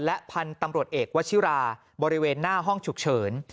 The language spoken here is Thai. และพันธุ์ตำรวจเอกวชิราบริเวณหน้าห้องฉุกเฉิน